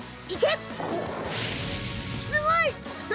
すごい！